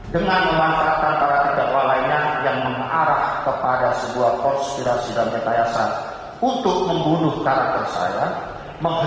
dengan memantarkan para tiga orang lainnya yang mengarah kepada sebuah konstruksi dan kekayasan untuk membunuh karakter saya